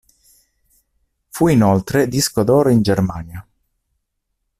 Fu inoltre disco d'oro in Germania.